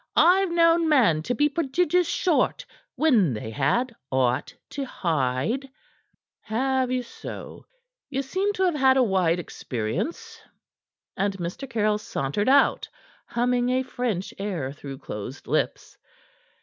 "I've known men to be prodigious short when they had aught to hide." "Have ye so? Ye seem to have had a wide experience." And Mr. Caryll sauntered out, humming a French air through closed lips.